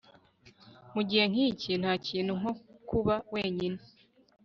mugihe nkiki, ntakintu nko kuba wenyine